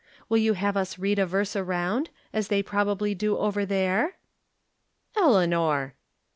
Will you have us read a verse around, as they probably do over there ?"" Eleanor